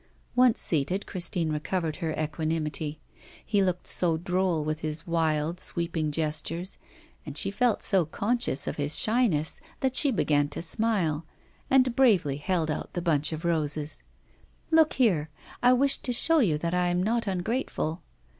Once seated, Christine recovered her equanimity. He looked so droll with his wild sweeping gestures, and she felt so conscious of his shyness that she began to smile, and bravely held out the bunch of roses. 'Look here; I wished to show you that I am not ungrateful.